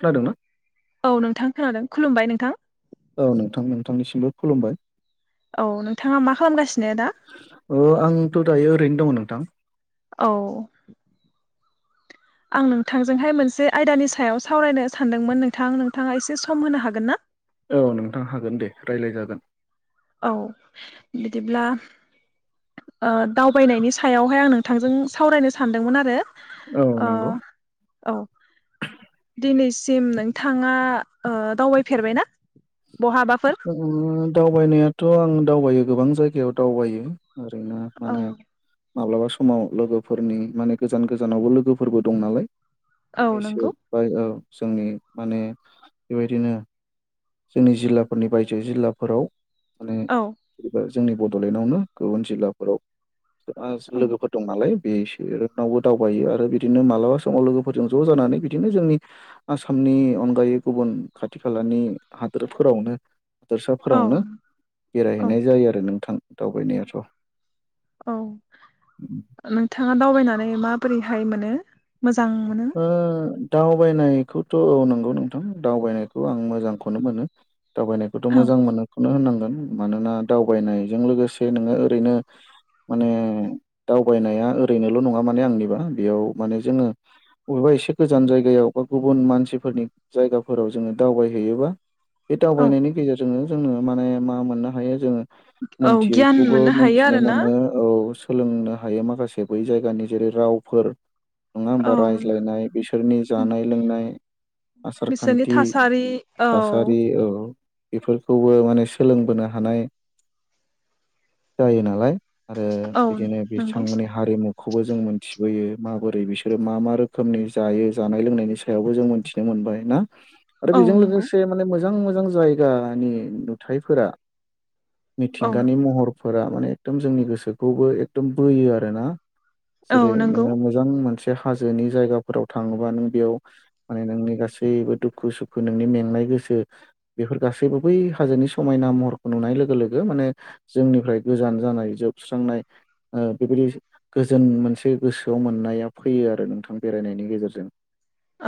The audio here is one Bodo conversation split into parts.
खोनादोंना औ नोंथां खोनादों खुलुमबाय नोंथां। औ नोंथां नोंथांनिसिमबो खुलुमबाय। औ नोंथाङा मा खालामगासिनो दा अ आंथ' दायो ओरैनो दङ नोंथां। औ आं नोंथांजोंहाय मोनसे आयदानि सायाव सावरायनो सानदोंमोन नोंथां नोंथाङा एसे सम होनो हागोन ना? औ नोंथां हागोन दे रायज्लाय जागोन। औ बिदिब्ला दावबायनायनि सायावहाय आं नोंथांजों सावरायनो सानदोंमोन आरो। औ नंगौ औ दिनैसिम सिम नोंथाङा दावबायफेरबाय ना? दावबायनायाथ' आं दावबायो गोबां जायगायाव दावबायो। ओरैनो औ माने माब्लाबा समाव लोगोफोरनि माने गोजान गोजानावबो लोगोफोरबो दं नालाय। औ एसे नंगौ बायो औ जोंनि माने बेबायदिनो जोंनि जिल्लाफोरनि बायजो जिल्लाफोराव माने औ जेनेबा जोंनि बड'लेण्डआवनो गुबुन जिल्लाफोराव औ लोगोफोर दं नालाय। बेसोर रावबो दावबायो आरो बिदिनो मालाबा समाव लोगोफोरजों ज' जानानै बिदिनो जोंनि आसामनि नि अनगायै गुबुन खाथि खालानि हादोरफोरावनो औ हादोरसाफोरावनो औ बेरायहैनाय जायो आरो नोंथां। दावबायनायाथ' औ नोंथाङा दावबायनानै माबोरैहाय मोनो? मोजां मोनो। दावबायनायखौथ' औ नंगौ नोंथां दावबायनायखौ आं मोजांखौनो मोनो। दावबायनायखौथ' औ मोजां मोनोखौनो होननांगोन। मानोना दावबायनायजों लोगोसे नोङो ओरैनो माने दावबायनाया ओरैनोल' नङा माने आंनिबा बेयाव माने जोङो बबेबा एसे गोजान जायगायाव बा गुबुन मानसिफोरनि जायगाफोराव जोङो दावबायहैयोबा बे औ दावबायनायनि गेजेरजोंनो जोङो माने मा मोननो हायो जोङो औ गियान मिथियैखौबो मोननो हायो मोनथिनो आरोना मोनो औ। सोलोंनो हायो माखासे बै जायगानि जेरै रावफोर नङा औ होमबा रायज्लायनाय बिसोरनि जानाय लोंनाय बिसोरनि आसारखान्थि थासारि औ थासारि औ। बेफोरखौबो माने सोलोंबोनो हानाय जायो नालाय। आरो औ बिदिनो नंगौ बेसेबां मानि हारिमुखौबो जों मोनथिबोयो माबोरै बि सोरो मा मा रोखोमनि जायो जानाय लोंनायनि सायावबो जों मिथिनो मोनबाय ना? आरो औ बेजों नंगौ लोगोसे माने मोजां मोजां जायगानि नुथायफोरा औ मिथिंगानि महरफोरा माने एकदम जोंनि गोसोखौबो एकदम बोयो आरोना। औ जेरै नंगौ नोङो मोजां मोनसे हाजोनि जायगाफोराव थाङोबा नों बेयाव माने नोंनि गासैबो दुखु सुखु नोंनि मेंनाय गोसो बेफोर गासैबो बै हाजोनि समायना महरखौ नुनाय लोगो लोगो माने जोंनिफ्राय गोजान जानाय जोबस्रांनाय बेबायदि गोजोन मोनसे गोसोआव मोननाया फैयो आरो नोंथां बेरायनायनि गेजेरजों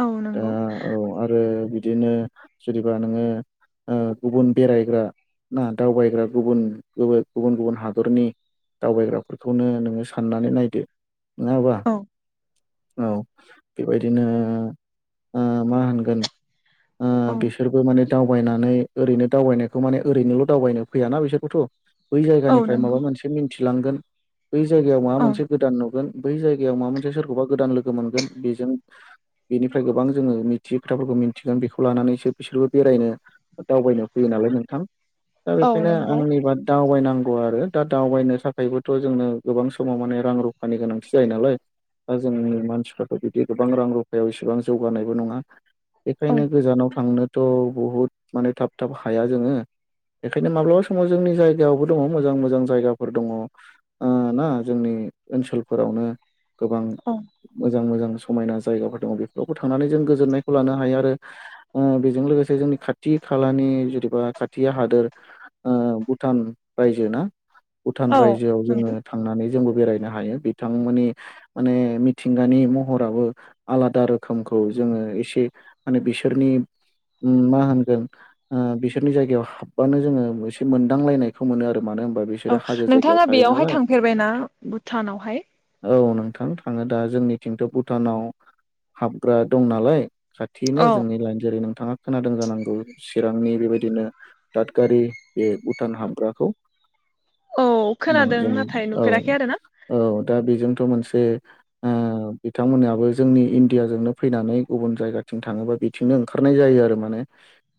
औ दा नंगौ औ आरो बिदिनो जेनेबा नोङो ओ गुबुन बेरायग्रा ना दावबायग्रा गुबुन गुबुन गुबुन हादरनि दावबायग्राफोरखौनो नोङो साननानै नायदो नङा होमबा? औ औ बेबायदिनो ओ मा होनगोन ओ औ बिसोरबो माने दावबायनानै ओरैनो दावबायनायखौ माने ओरैनोल' दावबायनो फैयाना बिसोरबोथ' बै औ जायगानिफ्राय माबा नंगौ मोनसे मिथि लांगोन बै जायगायाव माबा औ मोनसे गोदान नुगोन बै जायगायाव माबा मोनसे सोरखौबा गोदान लोगो मोनगोन बेजों बेनिफ्राय गोबां जोङो मिथियै खोथाफोरखौ मिथिगोन बेखौ लाना नैसो बिसोरबो बेरायनो दावबायनो फैयो नालाय नोंथां। दा औ बेखायनो नंगौ आंनिबा दावबाय नांगौ आरो दा दावबायनो थाखायबोथ' जोंनो गोबां समाव माने रां रुफानि गोनांथि जायो नालाय। दा जोंनि मानसिफ्राथ' बिदि गोबां रां रुफायाव इसेबां जौगानायबो नङा। औ बेखायनो गोजानाव थांनोथ' बहुद माने थाब थाब हाया जोङो। बेखायनो माब्लाबा समाव जोंनि जायगायावबो दङ मोजां मोजां जायगाफोर दङ आ ना? जोंनि ओनसोलफोरावनो गोबां औ मोजां मोजां समायना जायगाफोर दङ बेफोरावबो थांनानै जों गोजोन्नायखौ लानो हायो आरो ओ बेजों लोगोसे जोंनि खाथि खालानि जेनेबा खाथि हादोर ओ भुटान रायजो ना भुटान औ रायजोआव जोङो नंगौ थांनानै जोंबो बेरायनो हायो बिथांमोननि माने मिथिंगानि महराबो आलादा रोखोमखौ जोङो एसे माने बिसोरनि मा होनगोन ओ बिसोरनि जायगायाव हाबबानो जोङो एसे मोनदांलायनायखौ मोनो आरो मानो होनबा औ बिसोरो हाजो जायगायाव नोंथाङा थायो बेयावहाय नालाय थांफेरबायना भुटानावहाय? औ नोंथां थाङो दा जोंनिथिंथ' भुटानाव हाबग्रा दं नालाय। औ खाथिनो जोंनि लाइन जेरै नोंथाङा खोनादों जानांगौ। चिरांनि बेबायदिनो दादगारि बे भुटान हाबग्राखौ। औ खोनादों ज नाथाय औ नुफेराखै आरो ना औ दा बेजोंथ' मोन से ओ बिथांमोनहाबो जोंनि इण्डियाजोंनो फैनानै गुबुन जायगाथिं थाङोबा बिथिंनो ओंखारनाय जायो आरो माने।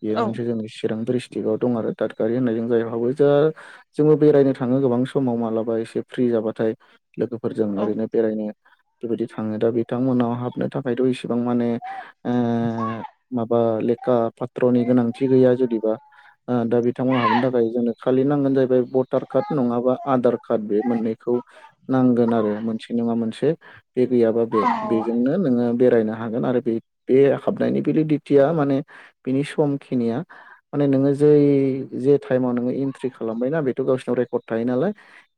बेयो औ मोनसे जोंनि चिरां ड्रिस ट्रिगाव दं आरो दादगारि होननाय जों जायाव हाबो। दा जोङो बेरायनो थाङो गोबां समाव मालाबा एसे फ्रि जाबाथाय लोगोफोरजों औ ओरैनो बेरायनो बेबायदि थाङो दा बिथांमोना हाबनो थाखायथ' इसिबां ओ माने माबा लेखा पात्र'नि गोनांथि गैया जुदिबा दा बिथांमोननाव हाबनो थाखाय जोंनो खालि नांगोन जाहैबाय भटार कार्ड नङाबा आधार कार्ड बे मोननैखौ नांगोन आरो मोनसे नङा मोनसे बे गैयाबा बे औ बेजोंनो नोङो बेरायनो हागोन आरो बे बे हाबनायनि बेलिदिथिया माने बिनि समखिनिया माने नोङो जै जे टाइमाव नोङो इन्ट्रि खालामबायना बेथ' गावसोरनाव रेकर्ड थायो नालाय।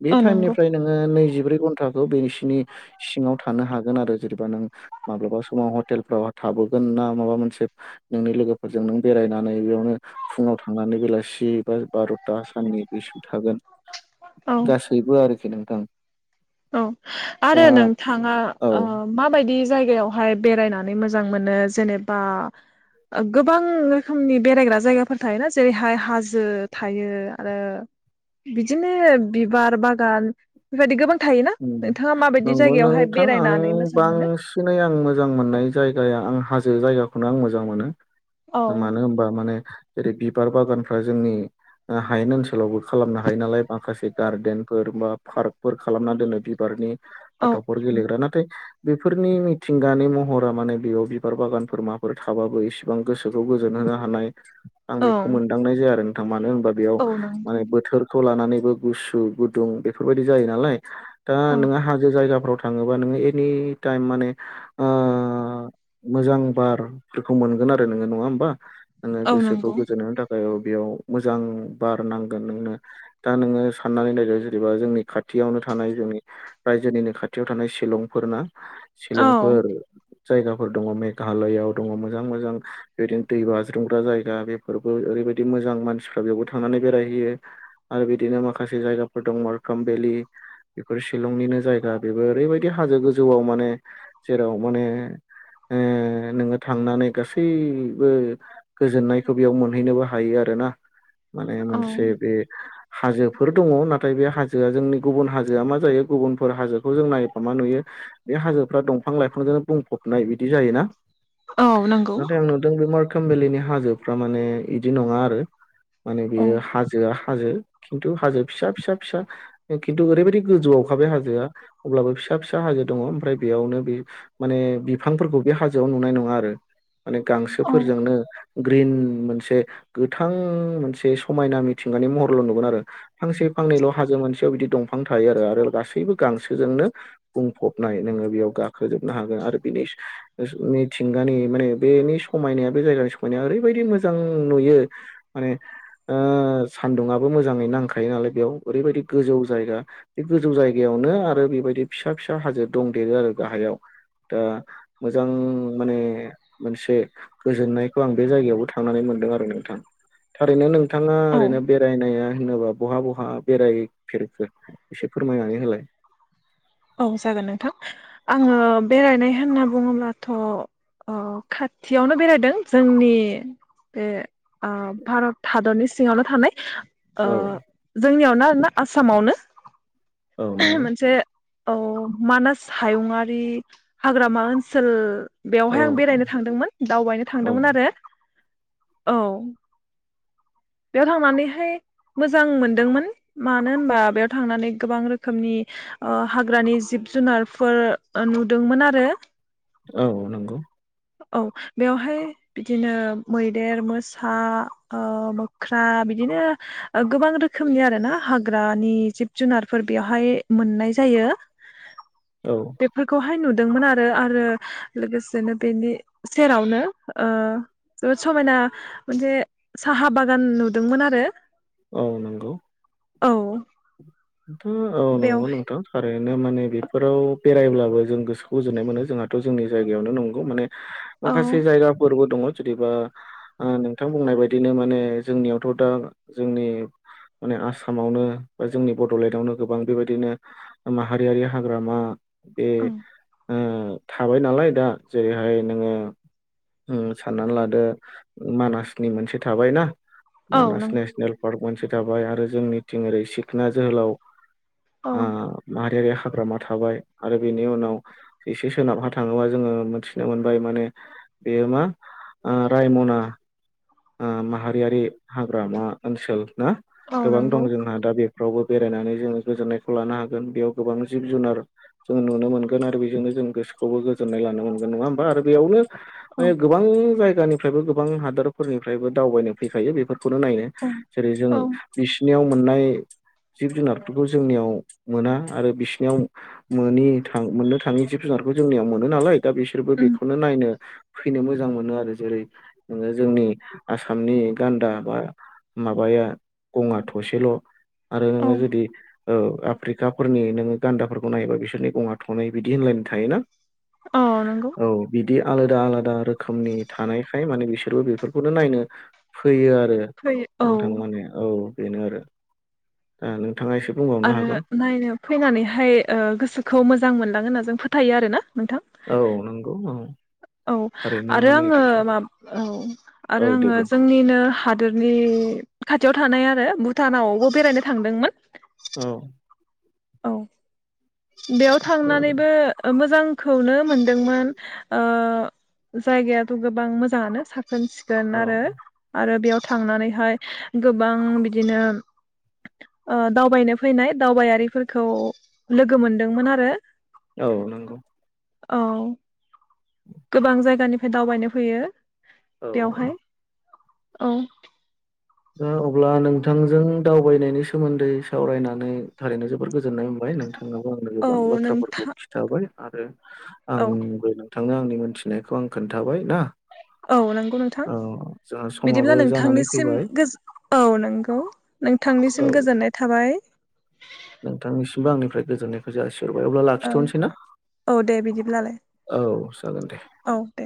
बे औ नंगौ टाइमनिफ्राय नोङो नैजिब्रै घन्टाखौ बेसि बिनि सिङाव थानो हागोन आरो जेनेबा नों माब्लाबा समाव हटेलफ्राव थाबोगोन ना माबा मोनसे नोंनि लोगोफोरजों नों बेरायनानै बेयावनो फुङाव थांनानै बेलासि बा बार'था आसाननि दुइसु थागोन औ गासैबो आरोखि नोंथां। औ दा आरो ओ नोंथाङा औ माबायदि जायगायावहाय बेरायनानै मोजां मोनो जेनेबा गोबां रोखोमनि बेरायग्रा जायगाफोर थायोना जेरैहाय हाजो थायो आरो बिदिनो बिबार बागान बेबायदि गोबां थायोना उम नोंथाङा माबायदि नंगौ जायगायावहाय नोंथां बेरायनानै आं मोजां मोनो? बांसिनै आं मोजां मोननाय जायगाया हाजो जायगाखौनो आं मोजां मोनो औ मानो होनबा माने जेरै बिबार बागानफ्रा जोंनि हायेन ओनसोलावबो खालामनो हायो नालाय माखासे गार्देनफोर बा पार्कफोर। खालामना दोनो बिबारनि औ गथ'फोर गेलेग्रा नाथाय बेफोरनि मिथिंगानि महरा माने बेयाव बिबार बागानफोर माबाफोर थाबाबो एसेबां गोसोखौ गोजोन हो [unintelligible] हानाय आं औ बेखौ मोनदांनाय जाया आरो नोंथां मानो होनबा बेयाव औ नंगौ बोथोरखौ ला नानैबो गुसु गुदुं बेफोरबादि जायो नालाय दा औ नोङो हाजो जायगाफोराव थाङोबा नोङो एनि टाइम मानो ओ मोजां बारखौ आरो नो नङा होमबा? नोङै औ गोसोखौ नंगौ गोजोननायनि थाखाय औ बेयाव मोजां बार नांगोन नोंनो दा नोङो साननानै नायदो जेनेबा जोंनि खाथियावनो थानाय जोंनि रायजोनिनो खाथियाव थानाय शिलंफोर ना औ शिलंफोर जायगाफोर दङ मेघालयाव दङ मोजां मोजां बेबायदिनो दै बाज्रुमग्रा जायगा बेफोरबो ओरै बेबायदि मोजां मानसिफ्रा बेयावबो थांनानै बेरायहैयो आरो बिदिनो माखासे जायगाफोर दं मारखाम भेलि बेफोर शिलंनिनो जायगा बेबो ओरैबायदि हाजो गोजौआव माने जेराव माने नोङो थांनानै गासैबो गोजोननायखौ बेयाव मोनहैनोबो हायो आरो ना माने औ मोनसे बे हाजोफोर दङ नाथाय बे हाजोआ जोंनि गुबुन हाजोआ मा जायो गुबुनफोर हाजोखौ जों नायोबा मा नुयो बे हाजोफ्रा दंफां लाइफांजोंनो बुंफब सनाय बिदि जायोना। औ नंगौ नाथाय आं नुदों बे मारखाम बेलिनि हाजोफ्रा माने बिदि नङा आरो। माने औ बेयो हाजोआ हाजो खिन्थु हाजो फिसा फिसा फिसा खिन्थु ओरैबायाददि गोजौआवखाबाय हाजोआ अब्लाबो फिसा फिसा हाजो दङ ओमफ्राय बेयावनो बे माने बिफांफोरखौ बे हाजोआव नुनाय नङा आरो माने औ गांसोफोरजोंनो ग्रिन मोनसे गोथां मोनसे समायना मिथिंगानि महरल' नुगोन आरो फांसे फांनल' हाजो मोन गसेयाव बिदि दंफां थायो आरो आरो गासैबो गांसोजोंनो बुंफबनाय नोङो बेयाव गाखोजोबनो हागोन। आरो बिनि मिथिंगानि माने बेनि समायनाया बे जायगानि समायनाया ओरैबायदि मोजां नु म सान्दुंङआबो मोजाङै नांखायो नालाय बेयाव ओरैबायदि गोजौ जायगा बे गोजौ जायगायावनो आरो बेबायदि फिसा फिसा हाजो दंदेरो आरो गाहायाव। दा मोजां माने मोनसे गोजोननायखौ आं बे जायगायावबो थांनानै दों आरो नोंथां थारैनो नोंथाङा ओरैनो बेरायनाया होनोबा बहा बहा बेराय फेरख एसे फोरमायनानै होलाय। औ जागोन नोंथां आङो बेरायनाय होनना बुङोब्लाथ' अ खाथियावनो बेरायदों जोंनि बे भारत हादरनि सिङावनो थानाय। औ जोंनियावनो आरोना आसामावनो औ नंगौ मोनसे औ मानास हायुंआारि हाग्रामा ओनसोल औ बेवहाय आं औ बेरायनो थांदोंमोन दावबायनो थांदोंमोन आरो औ। बेयाव थांनानैहाय मोजां मोनदोंमोन मानो होनबा बेयाव थांनानै गोबां रोखोमनि हाग्रानि जिब जुनारफोर नुदोंमोन आरो। औ नंगौ। औ बेवहाय बिदिनो मैदेर मोसा मोख्रा बिदिनो गोबां रोखोमनि आरो ना हाग्रानि जिब जुनारफोर बेयावहाय मोननाय जायो औ बेफोरखौहाय नुदों मोन आरो आरो लोगोसेनो बेनि सेरावनो जोबोद समायना मोनसे साहा बागान नुदोंमोन आरो। औ नंगौ औ नोंथां औ नंगौ बेवहाय नोंथां थार बिनो माने बेफोराव बेरायब्लाबो जों गोसोखौ गोजोननाय मोनो जोंहाथ जोंनि जायगायावनो नंगौ माने औ माखासे जायगाफोरबो दङ। जदिबा नोंथां बुंनाय बायदिनो माने जोंनियावथ दा जोंनि माने आसामावनो बा जोंनि बडलेण्डआवनो गोबां बेबायदिनो माहारियारि हाग्रामा बे ओं ओ थाबाय नालाय दा जेरैहाय नोङो साननानै लादो मानासनि मोनसे थाबाय ना। औ मानास नंगौ नेसनेल पार्क मोनसे थाबाय आरो जोंनिथिं ओरै सिखना जोहोलाव औ ओ [unintelligible] हाग्रामा थाबाय आरो बेनि उनाव एसे सोनाबहा थाङोबा जोङो मोनथिनो मोनबाय माने बेयो मा रायमना माहारियारि हाग्रामा ओनसोल ना औ गोबां नंगौ दं जोंहा दा बे रावबो बेरायनानै जोङो गोजोननायखौ लानो हागोन बेयाव गोबां जिब जुनार जों नुनो मोनगोन आरो बेजोंनो जों गोसोखौबो गोजोननाय लानो मोनगोन नङा होमबा आरो बेयावनो औ गोबां जायगानिफ्रायबो गोबां हादोरफोरनिफ्रायबो दावबायनो फैखायो बेफोर खौनो नायनो औ जेरै जों औ बिसिनियाव मोननाय जिब जुनारफोरखौ जोंनियाव मोना आरो बिसिनियाव मोनि मोननो थाङि जिब जुनार जोंनियाव मोनो नालाय दा बिसोरबो उम बेखौनो नायनो फैनो मोजां मोनो आरो जेरै नोङो जोंनि आसामनि गान्दा बा माबाया गङा थसेल'। आरो औ नोङो जुदि औ आफ्रिकाफोरनि नोङो गान्दाफोरखौ नायोबा बिसोरनि गङा थनै बिदि होनलायनाय थायोना। औ नंगौ औ बिदि आलादा आलादा रोखोमनि थानायखाय माने बि सोरबो बेफोरखौनो नायनो फैयो आरो फैयो औ नोंथां माने औ। बिनो आरो दानो आरो नायनो फैनानैहाय ओ गोसोखौ मोजां मोनलाङो होनना जों फोथायो आरो ना? औ नंगौ औ औ थारैनो आरो माने आङो बिसोर मा औ आरो औ दे आङो बुं जोंनिनो हादोरनि खाथियाव थानाय आरो भुटानावबो बेरायनो थांदोंमोन। औ औ बेयाव थांनानैबो मोजां जांखौनो मोनदोंमोन ओ जायगायाथ' गोबां मोजाङानो साब सिखोन औ आरो आरो बेयाव थांनानैहाय गोबां बिदिनो ओ दावबायनो फैनाय दावबायारिफोरखौ लोगो मोनदोंमोन आरो। औ नंगौ। औ गोबां जायगानिफ्राय दावबायनो फैयो। औ औ बेवहाय औ दा अब्ला नोंथांजों दावबायनायनि सोमोन्दै सावरायनानै थारैनो जोबोर गोजोननाय मोनबाय नोंथां। [inaudible] आं औ गोबां बाथ्राफोरखौ नोंथां खिन्थाबाय आरो औ आंबो थांनो आंनि मोनथिनायखौ आं खोन्थाबाय। ना औ नंगौ नोंथां औ जोंहा बिदिब्ला समाबो जानानै नोंथांनिसिम फैबाय गो औ नंगौ नोंथांनिसिम औ गोजोननाय थाबाय। नोंथांनिसिमबो आंनिफ्राय गोजोननायखौ जासिहरबाय। अब्ला औ लाखिथ'नोसै ना? औ दे बिदिब्लालाय औ जागोन दे। औ दे